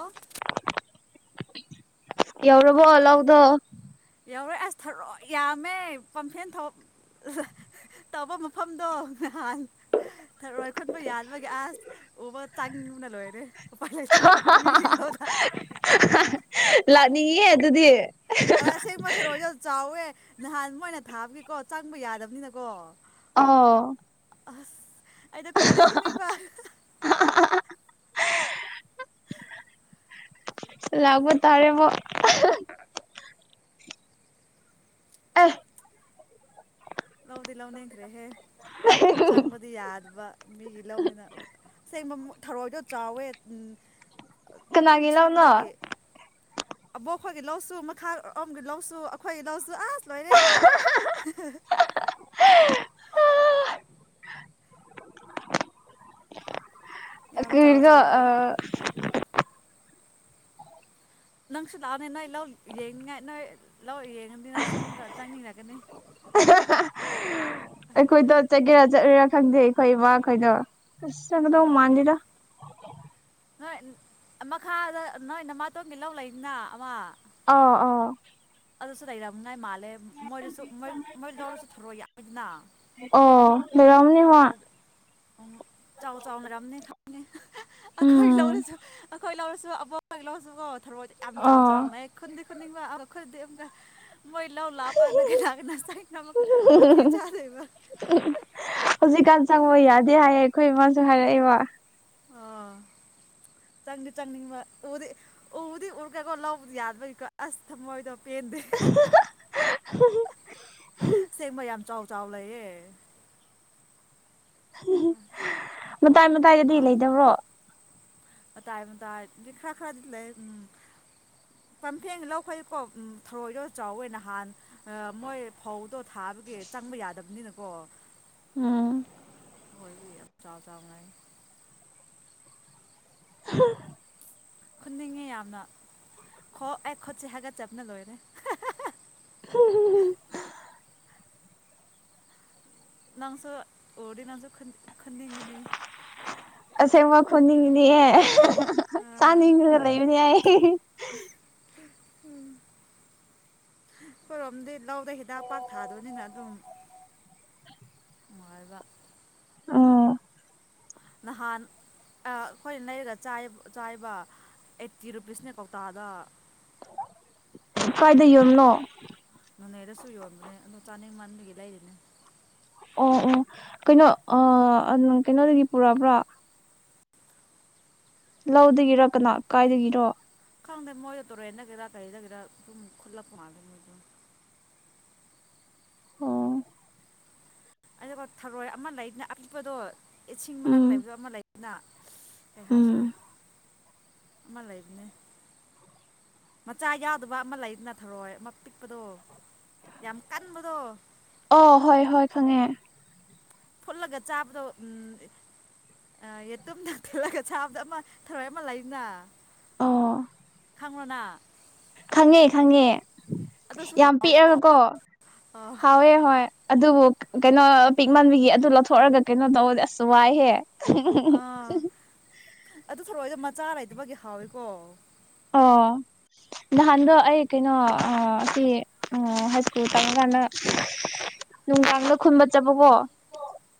ꯑꯣ ꯑꯦꯧꯔꯣꯔꯕꯣ ꯂꯧꯒꯗꯣ ꯌꯥꯧꯔꯣꯏ ꯑꯁ ꯊꯔꯣ ꯌꯥꯝꯃꯦ ꯄꯝꯐꯦꯟ ꯊ ꯇꯧꯕ ꯃꯐꯝꯗꯣ ꯅꯍꯥꯟ ꯊꯔꯣꯏ ꯈꯣꯟꯕ ꯌꯥꯅꯕꯒꯤ ꯑꯁ ꯑꯣ ꯋꯥ ꯆꯥꯡ ꯎꯅꯂꯣ ꯍꯥꯏ ꯔꯦ ꯄꯂꯦ ꯃꯤ ꯂꯂ ꯑꯣꯗ ꯂꯥꯛꯅꯤꯡꯉꯦ ꯑꯗꯨꯗꯤ ꯑ ꯑꯁꯦꯡꯕ ꯃꯊꯔꯣꯢꯗꯣ ꯆꯥꯎꯋꯦ ꯅꯍꯥꯟ ꯃꯣꯏꯅ ꯊꯥꯕꯒꯤꯀꯣ ꯆꯪꯕ ꯌꯥꯗꯕꯅꯤꯅꯀꯣ ꯑꯥꯎ ꯑꯁ ꯑꯩꯗꯣ ꯈꯨꯟꯗꯤ ꯈꯨꯅꯤꯡ ꯕꯥ ꯂꯥꯛꯄ ꯇꯥꯔꯦ ꯃꯨꯛ ꯑꯩ ꯂꯧꯗꯤ ꯂꯧꯅꯤꯡꯈ꯭ꯔꯦꯍꯦ ꯆꯪꯕꯗꯤ ꯌꯥꯗꯕ ꯃꯤꯒꯤ ꯂꯧꯅꯤꯅ ꯑꯁꯦꯡꯕ ꯊꯔꯣꯏꯗꯣ ꯆꯥꯎꯋꯦ ꯀꯅꯥꯒꯤ ꯂꯧꯅꯣ ꯑꯕꯣꯛ ꯈꯣꯏꯒꯤ ꯂꯧꯁꯨ ꯃꯈꯥ ꯑꯣꯝꯒꯤ ꯂꯧꯁꯨ ꯑꯩꯈꯣꯏꯒꯤ ꯂꯧꯁꯨ ꯑꯁ ꯂꯣꯏꯔꯦ ꯌꯥꯝ ꯆꯥꯎ ꯀ꯭ꯔꯤꯗ ꯆꯥꯎ ꯂꯩ ꯑꯥ ꯅꯪꯁꯨ ꯂꯥꯛꯑꯣꯅꯦ ꯅꯣꯢ ꯂꯧ ꯌꯦꯡꯅꯉꯥꯢ ꯅꯣꯢ ꯂꯧ ꯌꯦꯡꯉꯗꯤ ꯅꯪꯁꯨ ꯑꯃꯨꯛꯀ ꯆꯪꯅꯤꯡꯔꯛꯀꯅꯤ ꯑꯩꯈꯣꯏꯗꯣ ꯆꯠꯀꯦꯔꯥ ꯆꯠꯂꯣꯢꯔꯥ ꯈꯪꯗꯦ ꯑꯩꯈꯣꯏ ꯏꯕꯥ ꯈꯣꯏꯗꯣ ꯑꯁ ꯆꯪꯠꯀꯗꯧ ꯑꯥ ꯃꯥꯟꯗꯦꯗ [inaudible] ꯅꯣꯏ ꯃꯈꯥꯗ ꯅꯣꯏ ꯅꯃꯥꯇꯣꯟꯒꯤ ꯂꯧ ꯂꯩꯗꯅ ꯑꯃ ꯑꯥ ꯑꯥ ꯑꯗꯨꯁꯨ ꯂꯩꯔꯝꯉꯥꯏ ꯃꯥꯜꯂꯦ ꯃꯣꯏꯗꯁꯨ ꯃꯣꯏ ꯃꯣꯏ ꯂꯧꯗꯨꯁꯨ ꯊꯔꯣꯢ ꯌꯥꯝꯃꯤꯗꯅ ꯑꯣ ꯂꯩꯔꯝꯅꯤ ꯃꯥ ꯑꯗꯨ ꯆꯥꯎ ꯆꯥꯎ ꯂꯩꯔꯝꯅꯤ ꯈꯪꯉꯦ ꯑꯩꯈꯣꯏ ꯎꯝ ꯂꯧꯗꯨꯁꯨ ꯑꯩꯈꯣꯏ ꯂꯧꯗꯨꯁꯨ ꯑꯕꯣꯛ ꯍꯣꯢꯒꯤ ꯂꯧꯁꯨꯀꯣ ꯊꯔꯣꯏꯗꯤ ꯌꯥꯝ ꯆꯥꯎ ꯑꯣ ꯆꯥꯎꯅ ꯂꯩ ꯈꯨꯟꯗꯤ ꯈꯨꯟꯅꯤꯡꯕ ꯑꯝ ꯈꯨꯟꯗꯤ ꯑꯃꯨꯛ ꯃꯣꯏ ꯂꯧ ꯂꯥꯛꯄꯀꯥꯟꯗ ꯆꯪꯉꯤꯅꯣ ꯑꯃꯨꯛꯀ ꯋꯥꯊꯤ ꯆꯥꯗꯣꯢꯕ ꯍꯧꯖꯤꯛꯀꯥꯟ ꯆꯪꯕ ꯌꯥꯗꯦ ꯍꯥꯏꯌꯦ ꯑꯩꯈꯣꯏ ꯏꯃꯥꯅꯁꯨ ꯍꯥꯏꯔꯛꯏꯕ ꯆꯪꯗ ꯆꯪꯅꯤꯡꯕ ꯎꯗꯤ ꯎꯕꯗꯤ ꯎꯔ ꯀꯣ ꯂꯧ ꯌꯥꯗꯕꯒꯤꯀꯣ ꯑꯁ ꯊꯝꯃꯣꯏꯗꯣ [unintelligible] ꯁꯦꯡꯕ ꯌꯥꯝ ꯆꯥꯎ ꯆꯥꯎ ꯂꯩꯌꯦ ꯃꯇꯥꯏ ꯃꯇꯥꯏꯗꯗꯤ ꯂꯩꯗꯕ꯭ꯔꯣ ꯃꯇꯥꯢ ꯃꯇꯥꯢꯗꯗꯤ ꯈꯔ ꯈꯔꯗꯤ ꯂꯩꯌꯦ ꯎꯝ ꯄꯝꯐꯦꯡ ꯂꯧꯈꯩꯢꯗꯤꯀꯣ ꯊꯧꯔꯣꯏꯗꯣ ꯆꯥꯎꯋꯦ ꯅꯍꯥꯟ ꯃꯣꯏ ꯐꯧꯗꯣ ꯊꯥꯕꯒꯤ ꯆꯪꯕ ꯌꯥꯗꯕꯅꯤꯅ ꯎꯝ ꯑꯣꯏꯕꯒꯤ ꯌꯥꯝ ꯆꯥꯎ ꯆꯥꯎ ꯂꯩ [inaudible] ꯈꯨꯟꯅꯤꯡꯉꯤ ꯌꯥꯝꯅ ꯈꯣ ꯑꯦ ꯈꯨꯠꯁꯦ ꯍꯥꯏꯒꯠꯆꯕꯅ ꯂꯣꯏꯔꯦ [unintelligible] ꯅꯪꯁꯨ ꯎꯔꯗꯤ ꯅꯪꯁꯨ ꯈꯟꯅꯤꯡꯒꯅꯤ ꯁꯦꯡꯕ ꯈꯣꯟꯅꯤꯡꯒꯅꯤꯌꯦ ꯑꯥ ꯆꯥꯅꯤꯡꯉ ꯂꯩꯕꯅꯦ ꯑꯩ [inaudible] ꯈꯣꯢꯔꯣꯝꯗꯤ ꯂꯧꯗ ꯍꯤꯗꯥꯛ ꯄꯥꯛ ꯊꯥꯗꯕꯅꯤꯅ ꯑꯗꯨꯝ ꯅꯨꯡꯉꯥꯢꯕ ꯎꯝ ꯅꯍꯥꯟ ꯑꯩꯈꯣꯏꯅ ꯂꯩꯔꯒ ꯆꯥꯏꯌꯦ ꯆꯥꯢꯌꯦꯕ ꯑꯩꯠꯇꯤ ꯔꯨꯄꯤꯁꯅꯦ ꯀꯧꯇꯥꯗ ꯀꯥꯏꯗ ꯌꯣꯟꯕꯅꯣ ꯅꯣꯅꯦꯗꯁꯨ ꯌꯣꯟꯕꯅꯦ ꯑꯗꯣ ꯆꯥꯅꯤꯡ ꯃꯟꯕꯒꯤ ꯂꯩꯔꯤꯅꯦ ꯎꯝ ꯎꯝ ꯀꯩꯅꯣ ꯑꯝ ꯀꯩꯅꯣꯗꯒꯤ ꯄꯨꯛꯔꯄ꯭ꯔꯥ ꯂꯧꯗꯒꯤꯔ ꯀꯅꯥ ꯀꯥꯏꯗꯒꯤꯔꯣ ꯈꯪꯗꯦ ꯃꯣꯏꯗ ꯇꯨꯔꯦꯟꯗꯒꯤꯔ ꯀꯩꯗꯒꯤꯔ ꯑꯗꯨꯝ ꯈꯨꯜꯂꯛꯄ ꯃꯥꯜꯂꯦ ꯃꯣꯏꯗꯣ ꯑꯣ ꯑꯩꯗꯤꯀꯣ ꯊꯔꯣꯏ ꯑꯃ ꯂꯩꯗꯅ ꯑꯄꯤꯛꯄꯗꯣ ꯏꯁꯤꯡ ꯃꯅꯥꯛꯛꯇ ꯎꯝ ꯂꯩꯕꯗ ꯑꯃ ꯂꯩꯗꯅ ꯀꯩ ꯍꯥꯏꯥꯏꯁꯤꯔ ꯎꯝ ꯍꯂ ꯏꯅꯦ ꯃꯆꯥ ꯌꯥꯎꯗꯕ ꯑꯃ ꯂꯩꯗꯅ ꯊꯧꯔꯣꯏ ꯑꯃ ꯄꯤꯛꯄꯗꯣ ꯌꯥꯝ ꯀꯟꯕꯗꯣ ꯑꯣ ꯍꯣꯏ ꯍꯣꯏ ꯈꯪꯉꯦ ꯐꯨꯠꯂꯒ ꯆꯥꯕꯗꯣ ꯎꯝ ꯑ ꯌꯦꯇꯨꯝꯗꯪ ꯊꯤꯂꯒ ꯁꯥꯕꯗ ꯑꯃ ꯊꯔꯣꯏ ꯑꯃ ꯂꯩꯅ ꯑꯣ ꯈꯥꯡꯅꯣꯅꯅꯥ ꯈꯪꯉꯦ ꯈꯪꯉꯦ ꯑꯗꯨꯁꯨ ꯌꯥꯝ ꯍꯥꯎꯋꯦꯀꯣ ꯄꯤꯛꯑꯒꯀꯣ ꯑꯥ ꯍꯥꯎꯋꯦ ꯍꯣꯏ ꯑꯗꯨꯕꯨ ꯀꯩꯅꯣ ꯄꯤꯛꯃꯥꯟꯕꯤꯒꯤ ꯑꯗꯨ ꯂꯧꯊꯣꯛꯑꯒ ꯀꯩꯅꯣ ꯇꯧꯕꯗꯤ ꯑꯁꯁꯨ ꯋꯥꯏꯍꯦ ꯑꯥ [unintelligible] ꯑꯗꯨ ꯊꯧꯛꯑꯣꯗꯣ ꯃꯆꯥ ꯂꯩꯇꯕꯒꯤ ꯍꯥꯎꯋꯏꯀꯣ ꯑꯣ ꯅꯍꯥꯟꯗꯣ ꯑꯩ ꯀꯩꯅꯣ ꯁꯤ ꯍꯥꯏ ꯁ꯭ꯀꯨꯜ ꯇꯒ ꯅꯨꯡꯗꯥꯡꯗ ꯈꯨꯟꯕ ꯆꯠꯄꯀꯣ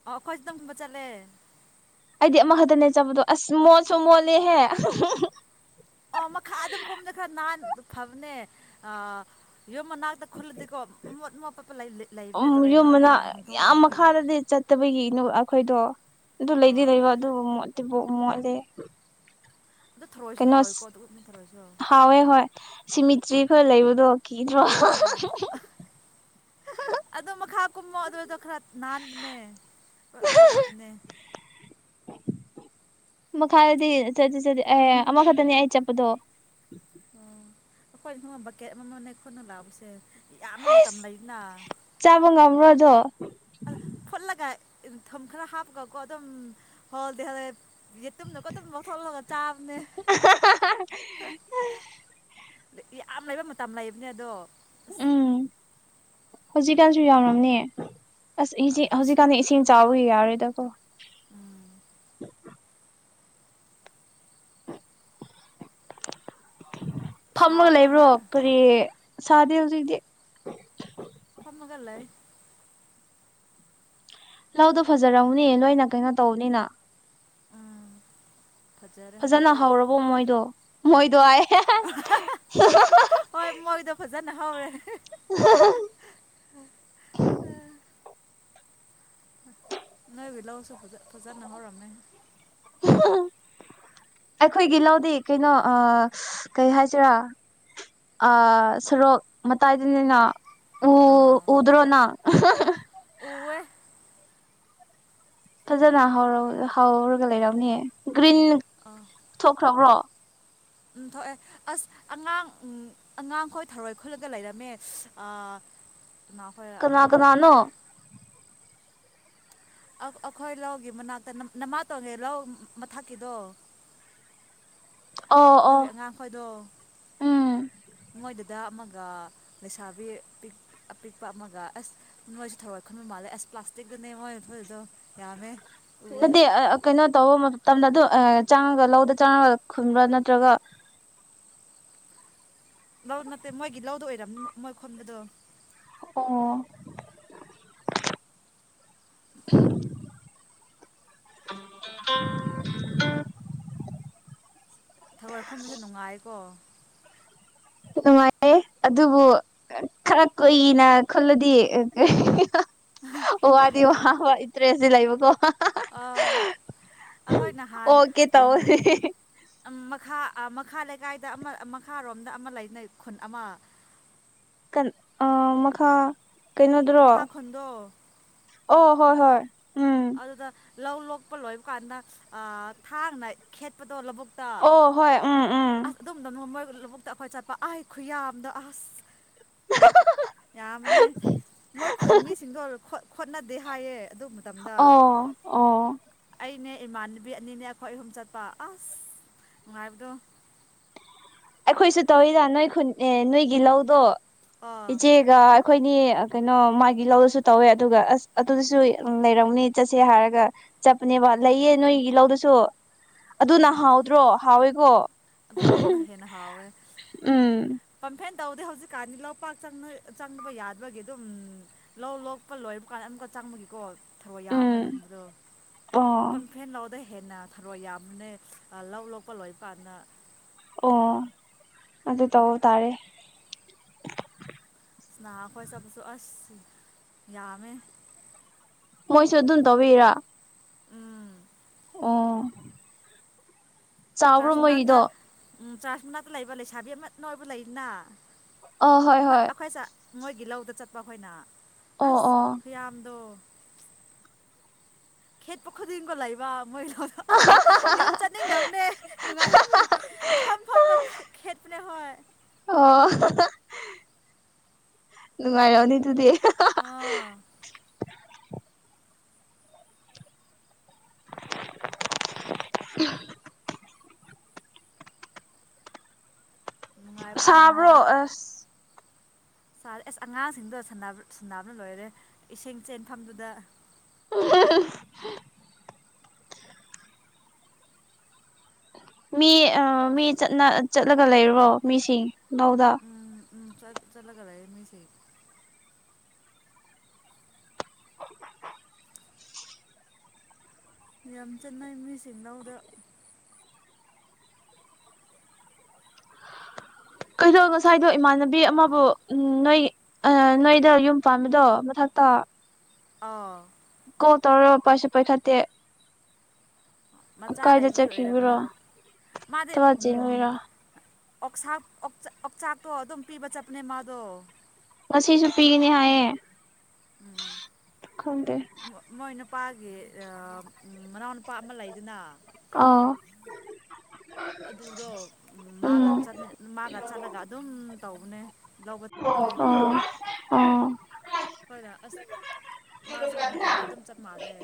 ꯑꯣ ꯑꯩꯈꯣꯏ ꯆ ꯑꯗꯨꯝ ꯆꯕ ꯆꯠꯂꯦ ꯑꯩꯗꯤ ꯑꯃ ꯈꯛꯇꯅꯦ ꯆꯠꯕꯗꯣ ꯑꯁ ꯃꯣꯠꯁꯨ ꯃꯣꯠꯂꯦꯍꯦ ꯑꯣ ꯃꯈꯥ ꯑꯗꯨꯝ ꯀꯨꯝꯅ ꯈꯔ ꯅꯥꯟ ꯐꯕꯅꯦ ꯑ ꯌꯨꯝ ꯃꯅꯥꯛꯇ ꯈꯨꯜꯂꯗꯤꯀꯣ ꯑꯃꯣꯠ ꯑꯃꯣꯠꯣꯠꯄ ꯂꯩꯕꯅꯦ ꯎꯝ ꯇꯧꯔꯦ ꯃꯣꯏꯅ ꯍꯨꯟꯗꯣꯛꯎꯝꯕꯒꯤ ꯐꯠꯇꯕꯒꯤꯅꯨ ꯑꯩꯈꯣꯏꯗꯣ ꯑꯗꯨ ꯂꯩꯗꯤ ꯑꯣ ꯂꯩꯕ ꯑꯗꯨꯕꯨ ꯃꯣꯠꯇꯦꯕꯥꯎ ꯃꯣꯠꯂꯦ ꯑꯗꯨ ꯊꯔꯣꯏꯁꯨ ꯀꯩꯅꯣ ꯍꯥꯎꯋꯤꯀꯣ ꯑꯗꯨ ꯊꯔꯣꯏꯁꯨ ꯍꯥꯎꯋꯦ ꯍꯣꯏ ꯁꯤꯃꯤꯇ꯭ꯔꯤ ꯈꯔ ꯂꯩꯕꯗꯣ ꯀꯗ꯭ꯔꯣ ꯑꯥ ꯑꯗꯣ ꯃꯈꯥ ꯀꯨꯝꯃꯣ ꯑꯗꯨꯗ ꯈꯔ ꯅꯥꯟꯕꯅꯦ ꯈꯔ ꯐꯕꯅꯦ ꯃꯈꯥꯗꯗꯤ ꯆꯠ ꯆꯠ ꯑꯦ ꯑꯃꯈꯛꯇꯅꯤ ꯑꯩ ꯆꯠꯄꯗꯣ ꯑꯣ ꯑꯩꯈꯣꯏ ꯊ ꯕꯛꯀꯦꯠ ꯑꯃ ꯃꯅꯦ ꯑꯩꯈꯣꯏꯅ ꯂꯥꯛꯕꯁꯦ ꯆꯥꯕ ꯉ ꯔ꯭ꯔꯣꯗꯣ ꯝ ꯈꯔ ꯍꯥꯞꯄꯒ ꯀꯣ ꯑꯗꯨꯝ ꯍꯣꯜꯗꯤꯦ ꯇꯨꯝꯗꯀ ꯇꯨꯝꯗ ꯂꯧꯥꯎ ꯊꯣꯛꯂꯒ ꯆꯥꯕꯅꯦ ꯌꯥꯝ ꯂꯩꯕ ꯃꯇꯝ ꯂꯩꯕꯅꯦ ꯑꯗꯣ ꯎꯝ ꯍꯧꯖꯤꯛꯀꯥꯟꯁꯨ ꯌꯥꯝꯎꯔꯝꯅꯦ ꯑꯁ ꯍꯧꯖꯤꯛꯀꯥꯟꯗꯤ ꯏꯁꯤꯡ ꯆꯥꯎꯕ ꯌꯥꯔꯦꯗꯀꯣ ꯎꯝ ꯐꯝꯃꯒ ꯁꯥꯕ꯭ꯔꯣ ꯂꯩꯕ꯭ꯔꯣ ꯅꯣꯏ ꯀꯔꯤ ꯁꯥꯗꯦ ꯍꯧꯖꯤꯛꯇꯤ ꯊꯃꯒ ꯂꯑ ꯂꯧꯗꯣ ꯐꯖꯔꯎꯅꯦ ꯂꯣꯏꯅ ꯀꯩꯅꯣ ꯇꯧꯧꯕꯅꯤꯅ ꯎꯝ ꯐꯖꯔꯦ ꯐꯖꯅ ꯍꯧꯖꯤꯛꯇꯤ ꯍꯧꯔꯕꯣ ꯃꯣꯏꯗꯣ ꯃꯣꯏ [unintelligible] ꯅꯍꯔꯦ [unintelligible] ꯅꯂꯁꯨ ꯐꯖ ꯐꯖꯥꯅꯍꯔꯃꯦ ꯑꯩꯈꯣꯏꯒꯤ ꯂꯧꯗꯤ ꯀꯩꯅꯣ ꯀꯩ ꯍꯥꯏꯁꯤꯔꯥ ꯑ ꯁꯣꯔꯣꯛ ꯃꯇꯥꯏꯗꯅꯤꯅ ꯎ ꯑꯥ ꯎꯗ꯭ꯔꯣꯅ ꯎꯋꯦ ꯐꯖꯅ ꯍꯔ ꯍꯧꯔꯒ ꯂꯩꯔꯥꯎꯅꯦ ꯒ꯭ꯔꯤꯟ ꯑꯥ ꯊꯣꯛꯈ꯭ꯔꯕ꯭ꯔꯣ ꯎꯝ ꯊꯣꯛꯑꯦ ꯑꯁ ꯑꯉꯥꯡ ꯑꯉꯥꯡꯈꯣꯏ ꯊꯔꯣꯏ ꯈꯨꯜꯂꯒ ꯂꯩꯔꯝꯃꯦ [unintelligible] ꯈꯣꯏ ꯑ ꯀꯅꯥ ꯀꯅꯥꯅꯣ ꯑꯩꯈꯣꯏ ꯂꯧꯒꯤ ꯃꯅꯥꯛꯇ ꯅꯃꯥ ꯇꯣꯡꯉꯦ ꯂꯧ ꯃꯊꯛꯀꯤꯗꯣ ꯑꯣ ꯑꯣ ꯑꯗꯨꯒꯤ ꯑꯉꯥꯡꯈꯣꯏꯗꯣ ꯎꯝ ꯃꯣꯏꯗꯨꯗ ꯑꯃ ꯂꯩꯁꯥꯕꯤ ꯑꯄꯤꯛꯄ ꯑꯃꯒ ꯑꯁ ꯅꯣꯏꯁ ꯊꯧꯔꯏ ꯈꯟꯕ ꯃꯥꯜꯂꯦ ꯑꯁ ꯄ꯭ꯂꯥꯁꯇꯤꯛ ꯉ ꯊꯣꯏꯣꯏꯗꯣ ꯌꯥꯝꯃꯦ ꯎꯋꯦ ꯅꯦ ꯀꯩꯅꯣ ꯇꯧꯕꯣ ꯇꯝꯅ ꯑꯗꯨ ꯆꯥꯡꯉꯒ ꯂꯧꯗ ꯆꯪꯉꯒ ꯈꯨꯟꯕ꯭ꯔꯥ ꯅꯠꯇ꯭ꯔꯒ ꯂꯧ ꯅꯠꯇꯦ ꯃꯣꯏꯒꯤ ꯂꯧꯗ ꯑꯣꯏꯔꯝꯅꯤ ꯃꯣꯏ ꯈꯣꯟꯕꯗꯣ ꯑꯣ [unintelligible] ꯊꯔꯣꯏꯈꯣꯝꯕꯁꯦ ꯅꯨꯡꯉꯥꯏꯀꯣ ꯅꯨꯡꯉꯥꯏꯌꯦ ꯑꯗꯨꯕꯨ ꯈꯔ ꯀꯨꯏꯅ ꯈꯜꯂꯗꯤ ꯋꯥꯗꯤ ꯋꯥ ꯋꯥ ꯏꯇ꯭ꯔꯦꯗꯤ ꯂꯩꯕꯀꯣ ꯑꯩꯈꯣꯏ ꯅꯍꯥꯟ ꯑꯣꯀꯦ ꯇꯧ ꯃꯈꯥ ꯥ ꯃꯈꯥ ꯂꯩꯀꯥꯏꯗ ꯑꯃ ꯃꯈꯥꯔꯣꯝꯗ ꯑꯃ ꯂꯩꯅꯩ ꯈꯨꯟ ꯑꯃ ꯀ ꯃꯈꯥ ꯀꯩꯅꯣꯗꯨꯔꯣ ꯃꯈꯥ ꯈꯨꯣꯟꯗꯣ ꯑꯣ ꯍꯣꯏ ꯍꯣꯏ ꯎ ꯑꯗꯨꯗ ꯂꯧ ꯂꯣꯛꯄ ꯂꯣꯏꯕ ꯀꯥꯟꯗ ꯊꯥꯡꯅ ꯈꯦꯠꯄꯗꯣ ꯂꯧꯕꯨꯛ ꯑꯣ ꯍꯣꯏ ꯎꯝ ꯎꯝ ꯑꯗꯨꯝꯗꯅ ꯃꯣꯏ ꯂꯧꯕꯨꯛꯇ ꯑꯩꯈꯣꯏ ꯆꯠꯄ ꯑꯥꯏ ꯈꯨꯌꯥꯝꯗ ꯑꯁ ꯌꯥꯝꯅꯦ ꯃꯣꯏ ꯃꯤꯁꯤꯡꯗꯣ ꯈꯣꯠꯅꯗꯦ ꯍꯥꯏꯌꯦ ꯑꯗꯨ ꯃꯇꯝꯗ ꯑꯣ ꯑꯣ ꯑꯩꯅꯦ ꯏꯃꯥꯟꯅꯕꯤ ꯑꯅꯤꯅꯦ ꯑꯩꯈꯣꯏ ꯑꯍꯨꯝ ꯆꯠꯄ ꯑꯁ ꯅꯨꯡꯉꯥꯏꯕꯗꯣ ꯑꯩꯈꯣꯏꯁꯨ ꯇꯧꯋꯗ ꯅꯣꯏ ꯈꯨ ꯅꯣꯏꯒꯤ ꯂꯧꯗꯣ ꯑꯥ ꯏꯆꯦꯒ ꯑꯩꯈꯣꯏ ꯀꯩꯅꯣ ꯃꯥꯒꯤ ꯂꯧꯔꯁꯨ ꯇꯧꯋꯦ ꯑꯗꯨꯒ ꯑꯁ ꯑꯗꯨꯗꯁꯨ ꯂꯩꯔꯝꯅꯤ ꯆꯠꯁꯦ ꯍꯥꯏꯔꯒ ꯆꯠꯄꯅꯦꯕ ꯂꯩꯌꯦ ꯅꯣꯏꯒꯤ ꯂꯧꯗꯨꯁꯨ ꯑꯗꯨ ꯅ ꯍꯥꯎꯗ꯭ꯔꯣ ꯍꯥꯎꯋꯦꯀꯣ ꯑꯗꯨꯝ ꯇꯞꯅ ꯍꯦꯟꯅ ꯍꯥꯎꯋꯦ ꯎꯝ ꯐꯦꯟ ꯇꯧꯗꯦ ꯍꯧꯖꯤꯛꯀꯥꯟꯗꯤ ꯂꯧ ꯄꯥꯛꯪ ꯆꯪꯗꯕ ꯌꯥꯗꯕꯒꯤ ꯑꯗꯨꯝ ꯂꯧ ꯂꯣꯛꯄ ꯂꯣꯏꯕ ꯀꯥꯟꯗ ꯑꯃ ꯆꯪꯕꯒꯤꯀꯣ ꯊꯔꯣ ꯌꯥꯕꯅꯦ ꯎꯝ ꯑꯗꯨꯒꯨꯝꯕꯗꯣ ꯑꯣ ꯄꯪꯐꯦꯟ ꯂꯥꯛꯗꯩ ꯍꯦꯟꯅ ꯊꯔꯣꯏ ꯌꯥꯝꯅꯅꯦ ꯂꯧ ꯂꯣꯛꯄ ꯂꯣꯏꯕ ꯀꯥꯟꯗ ꯑꯣ ꯑꯗꯨ ꯇꯧꯕ ꯇꯥꯔꯦ ꯅꯥ ꯑꯩꯈꯣꯏ ꯆꯄꯁꯨ ꯑꯁ ꯌꯥꯝꯃꯦ ꯃꯣꯏꯁꯨ ꯑꯗꯨꯝ ꯇꯧꯕꯤꯔꯥ ꯎꯝ ꯆꯥꯎꯕꯔꯣ ꯆꯥꯔꯖ ꯃꯅꯥꯛꯇ ꯃꯣꯏꯒꯤꯗꯣ ꯎꯝ ꯆꯥꯔꯆ ꯃꯅꯥꯛꯇ ꯂꯩꯕ ꯂꯩꯁꯥꯕꯤ ꯑꯃꯅ ꯑꯣꯏꯕ ꯂꯩꯅ ꯑ ꯍꯣꯏ ꯍꯣꯏ ꯑꯩꯈꯣꯏ ꯆ ꯃꯣꯏꯒꯤ ꯂꯧꯗ ꯆꯠꯄ ꯑꯩꯈꯣꯏꯅ ꯑꯣ ꯑꯁ ꯑꯣ ꯐꯌꯥꯝꯗꯣ ꯈꯦꯠ ꯄꯈꯨꯒꯣ ꯂ ꯂꯩꯕ ꯃꯣꯏꯣ ꯌꯨꯝ ꯆꯠꯅꯤꯡꯗꯕꯅꯦ ꯅꯨꯡꯉꯥꯏꯔ ꯐꯝ ꯐꯝꯒ ꯅꯦ ꯍꯣꯏ ꯑꯣ ꯅꯨꯡꯉꯥꯏꯔꯣꯅꯤ ꯑꯗꯨꯗꯤ ꯑꯥ [unintelligible] ꯅꯨꯡꯉꯥꯏꯕꯗꯤ ꯁꯥꯕ꯭ꯔꯣ ꯅꯨꯡꯉꯥꯏ ꯑꯁ ꯁꯥꯔꯦ ꯑꯁ ꯑꯉꯥꯡꯁꯤꯡꯗꯣ ꯁꯥꯟꯅꯕꯅ ꯂꯣꯏꯔꯦ ꯏꯁꯤꯡ ꯆꯦꯟꯐꯝꯗꯨꯗ ꯑꯉ ꯃꯤ ꯑꯥ ꯃꯤ ꯆꯠꯂꯒ ꯂꯩꯔꯨꯔꯣ ꯃꯤꯁꯤꯡ ꯂꯧꯗꯥ ꯎꯝ ꯎꯝ ꯆꯠ ꯆꯠꯂꯒꯗꯑ ꯃꯤꯁꯦ [unintelligible] ꯌꯥꯝ ꯆꯟꯅꯩ ꯃꯤꯁꯤꯡꯅꯥꯎꯗ ꯀꯩꯗꯧ ꯉꯁꯥꯏꯗꯣ ꯏꯃꯥꯟꯅꯕꯤ ꯑꯃꯕꯨ ꯅꯣꯏ ꯅꯣꯏꯗ ꯌꯨꯝ ꯄꯥꯕꯤꯗꯣ ꯃꯊꯛ ꯀꯠꯇ ꯑ ꯀꯣꯜ ꯇꯧꯔ ꯄꯥꯏꯁꯨ ꯄꯥꯏꯈꯠꯇꯦ ꯃꯆꯥ ꯀꯥꯏꯗ ꯂꯩꯕꯨꯒꯤ ꯑꯣꯏꯝꯅꯤ ꯆꯠꯈꯤꯕꯔꯣ ꯃꯥꯗꯤ ꯊꯕꯛ ꯎꯝ ꯆꯤꯟꯕꯩꯔꯥ ꯑꯣꯁꯥꯛ ꯑꯣꯛꯆꯥꯛꯇꯣ ꯑꯗꯨꯝ ꯄꯤꯕ ꯆꯠꯄꯅꯦ ꯃꯥꯗꯣ ꯉꯁꯤꯁꯨ ꯄꯤꯒꯅꯤ ꯍꯥꯏꯌꯦ ꯈꯪꯗꯦ ꯃꯣꯏ ꯅꯨꯄꯥꯒꯤ ꯃꯅꯥꯎꯅꯨꯄꯥ ꯑꯃ ꯂꯩꯗꯨꯅ ꯑꯥ ꯑꯗꯨꯗꯣ ꯃꯥꯒ ꯎꯝ ꯆꯠꯃꯤ ꯃꯥꯒ ꯆꯠꯂꯒ ꯑꯗꯨꯝ ꯇꯧꯕꯅꯦ ꯂꯧꯒꯗꯕꯅꯦ ꯑꯣ ꯑꯣ ꯍꯣꯏꯗ ꯑꯁ ꯃꯥꯁꯨ ꯃꯊꯟꯇ ꯑꯗꯨꯝ ꯆꯞ ꯃꯥꯥꯟꯜꯂꯦ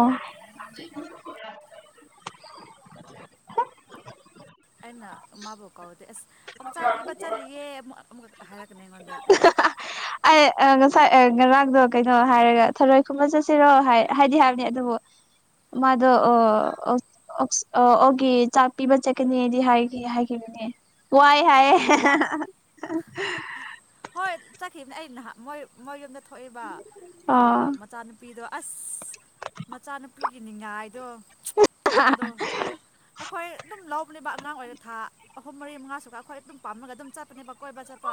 [unintelligible] ꯑꯩꯅ ꯃꯥꯕꯨꯧ ꯀꯧꯔꯗꯦ ꯑꯁ ꯑꯣꯛꯆꯥ ꯄꯤꯕ ꯆꯠꯂꯤꯌꯦ ꯑꯃꯨꯛ ꯑꯃꯨꯛꯈꯛꯇ ꯍꯥꯏꯔꯛꯀꯅꯤ ꯑꯩꯉꯣꯟꯗ ꯑꯩ ꯉꯁꯥꯏ ꯉꯔꯥꯡꯗꯣ ꯀꯩꯅꯣ ꯍꯥꯏꯔꯒ ꯊꯔꯣꯏ ꯈꯨꯨꯝꯃꯟ ꯆꯠꯁꯤꯔꯣ ꯍꯥꯏꯗꯤ ꯍꯥꯏꯕꯅꯤ ꯑꯗꯨꯕꯨ ꯃꯥꯗꯣ ꯑꯣ ꯑꯣꯛ ꯑꯣꯛꯒꯤ ꯆꯥꯛ ꯄꯤꯕ ꯆꯠꯀꯅꯤꯗꯤ ꯍꯥꯏꯗꯤ ꯍꯥꯏꯒꯤꯅꯦ ꯋꯥꯏ ꯍꯥꯏꯌꯦ ꯑꯣ ꯍꯣꯏ ꯆꯠꯈꯤꯕꯅꯦ ꯑꯩ ꯅꯍ ꯃꯣꯏ ꯃꯣꯏ ꯌꯨꯝꯗ ꯊꯣꯛꯏꯕ ꯑꯗꯨꯒ ꯑꯥ ꯃꯆꯥꯅꯨꯄꯤꯗꯣ ꯑꯁ ꯃꯆꯥꯅꯨꯄꯤꯒꯤ ꯅꯤꯡꯉꯥꯏ ꯍꯥꯏꯗꯣ ꯀꯟꯕꯗꯣ ꯑꯩꯈꯣꯏ ꯑꯗꯨꯝ ꯂꯧꯕꯅꯦꯕ ꯑꯉꯥꯡ ꯑꯣꯏꯔ ꯊꯥ ꯑꯍꯨꯝ ꯃꯔꯤ ꯃꯉꯥꯁꯨꯀ ꯑꯩꯈꯣꯏ ꯑꯗꯨꯝ ꯄꯥꯝꯃꯒ ꯑꯗꯨꯝ ꯆꯠꯄꯅꯦꯕ ꯀꯣꯏꯕ ꯆꯠꯄ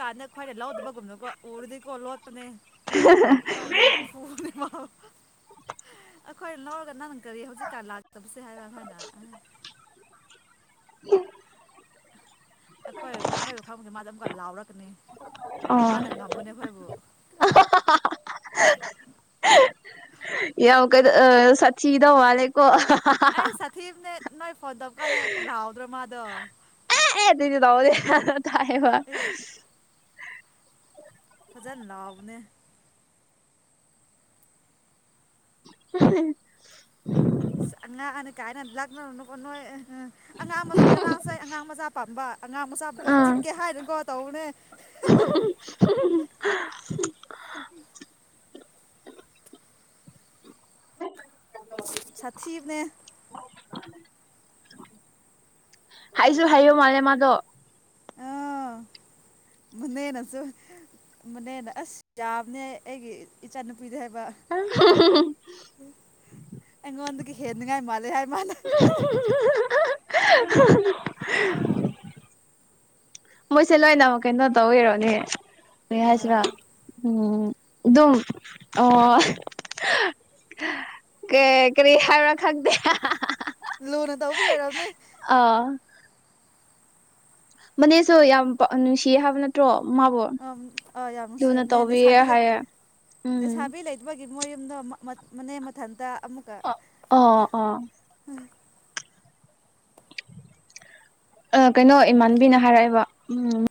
ꯀꯥꯟꯗ ꯈ꯭ꯋꯥꯏꯗ ꯂꯧꯗꯕꯒꯨꯝꯕꯅꯀꯣ ꯎꯔꯨꯗꯤꯀꯣ ꯂꯣꯠꯄꯅꯦ ꯑꯩꯈꯣꯏ ꯑꯗꯨꯝ ꯐꯨꯕꯅꯦ ꯃꯥ [inaudible] ꯑꯩꯈꯣꯏ ꯂꯧꯔꯒ ꯅꯪ ꯀꯔꯤ ꯍꯧꯖꯤꯛꯀꯥꯟ ꯂꯥꯛꯇꯕꯁꯦ ꯍꯥꯏꯕ ꯑꯩꯈꯣꯏꯅ [inaudible] ꯑꯩꯈꯣꯏ ꯑꯩꯈꯣꯏꯕꯨ ꯈꯪꯕꯗꯦ ꯃꯥꯗ ꯑꯃꯨꯛꯀ ꯂꯥꯎꯔꯛꯀꯅꯤ ꯑꯥ ꯃꯥꯅ ꯉꯝꯕꯅꯦ ꯑꯩꯈꯣꯏꯕꯨ ꯎꯝ ꯌꯥ ꯀꯩꯅꯣ ꯑꯥ ꯁꯊꯤꯗꯧ ꯃꯜꯂꯤꯀꯣ ꯑꯁ ꯁꯊꯤꯕꯅꯦ ꯅꯣꯏ ꯐꯣꯟ ꯇꯧꯕꯀꯟꯗ ꯔꯥꯎꯗ꯭ꯔꯣ ꯃꯥꯗꯣ ꯍ ꯑꯗꯨꯗꯤ ꯂꯥꯎ ꯑꯦ ꯇꯥꯏꯌꯦꯕ ꯑꯦꯁ ꯐꯖꯥ ꯅꯥꯎꯕꯅꯦ [unintelligible] ꯑꯁ ꯑꯉꯥꯡ ꯀꯥꯏꯅ ꯂꯥꯛꯅꯔꯨꯅꯨꯀꯣ ꯅꯣꯏ ꯑ. [inaudible] ꯑꯉꯥꯡ ꯉꯔꯥꯡꯁꯥꯏ ꯑꯉꯥꯡ ꯃꯆꯥ ꯄꯥꯝꯕ ꯑꯉꯥꯡ ꯃꯆꯥꯀꯣ ꯎꯝ ꯆꯤꯛꯀꯦ ꯍꯥꯏꯅꯨꯀꯣ ꯇꯧꯕꯅꯦ ꯍꯨꯝ ꯍꯨꯝ ꯍꯨꯝ ꯁꯥꯊꯤꯕꯅꯦ ꯍꯥꯏꯁꯨ ꯍꯥꯏꯌꯣ ꯃꯥꯅꯦ ꯃꯥꯗꯣ ꯑꯥ ꯃꯅꯦꯅꯁꯨ ꯃꯨꯅꯦꯅ ꯑꯁ ꯌꯥꯝꯕꯅꯦ ꯑꯩꯒꯤ ꯏꯆꯥꯅꯨꯄꯤ ꯄꯔꯦ ꯍꯥꯏꯕ ꯑꯩꯉꯣꯟꯗꯒꯤ ꯍꯦꯟꯅꯤꯡꯉꯥꯏ ꯃꯥꯜꯂꯦ ꯍꯥꯏꯕ ꯃꯥꯅ ꯍꯥ ꯍꯥ ꯍꯥ ꯍꯥ ꯍꯥ ꯃꯣꯏꯁꯦ ꯂꯣꯏꯅꯃꯛ ꯀꯩꯅꯣ ꯇꯧꯋꯔꯣꯅꯦꯏ ꯀꯔꯤ ꯍꯥꯏꯁꯤꯔꯥ ꯑꯥ ꯎꯝ ꯑꯗꯨꯝ ꯑꯣ ꯑꯦ ꯀꯔꯤ ꯍꯥꯏꯔ ꯈꯪꯗꯦ ꯂꯨꯅ ꯇꯧꯕꯒꯤ ꯑꯣꯏꯔꯝꯅꯤ ꯑꯥ ꯃꯅꯦꯁꯨ ꯌꯥꯝ ꯅꯨꯡꯁꯤꯌꯦ ꯍꯥꯏꯕ ꯅꯠꯇ꯭ꯔꯣ ꯃꯥꯕꯨ ꯑ ꯑ ꯌꯥꯝ ꯂꯨꯅ ꯅꯨꯡꯁꯤꯕꯅꯦ ꯇꯧꯕꯤꯌꯦ ꯂꯩꯁꯥꯕꯤ ꯂꯩ ꯍꯥꯏꯌꯦ ꯎꯝ ꯂꯩꯁꯥꯕꯤ ꯂꯩꯗꯨ ꯒꯤ ꯃꯣꯏ ꯌꯨꯝꯗꯣ ꯃꯅꯦꯛ ꯃꯊꯟꯇ ꯑꯃꯨꯛꯀ ꯑꯣ ꯑ ꯑ ꯀꯩꯅꯣ ꯏꯃꯥꯟꯕꯤꯅ ꯍꯥꯏꯔꯛꯑꯦꯕ ꯎꯝ